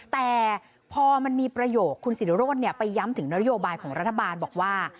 แต่พอมันมีประโยคคุณศิรโรธไปย้ำถึงนโยบายของรัฐบาลบอกว่า